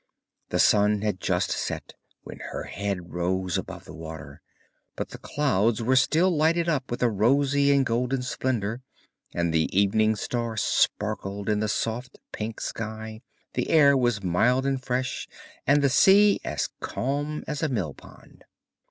The sun had just set when her head rose above the water, but the clouds were still lighted up with a rosy and golden splendour, and the evening star sparkled in the soft pink sky, the air was mild and fresh, and the sea as calm as a millpond.